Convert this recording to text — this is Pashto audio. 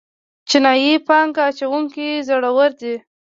چینايي پانګه اچوونکي زړور دي.